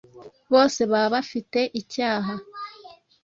bose baba bafite icyaha.